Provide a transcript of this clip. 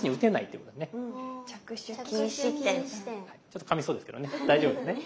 ちょっとかみそうですけどね大丈夫ですね。